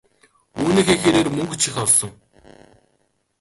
Үүнийхээ хэрээр мөнгө ч их олсон.